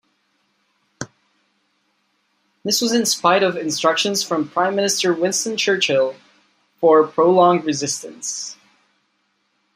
This was in spite of instructions from Prime Minister Winston Churchill for prolonged resistance.